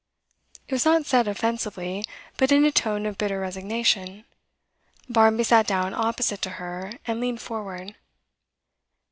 It was not said offensively, but in a tone of bitter resignation. Barmby sat down opposite to her, and leaned forward.